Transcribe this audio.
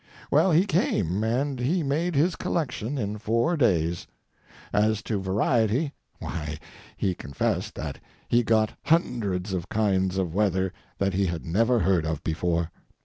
Well, he came and he made his collection in four days. As to variety, why, he confessed that he got hundreds of kinds of weather that he had never heard of before.